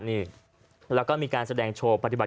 พอพาไปดูก็จะพาไปดูที่เรื่องของเครื่องบินเฮลิคอปเตอร์ต่าง